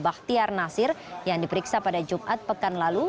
bahtiar nasir yang diperiksa pada jumat pekan lalu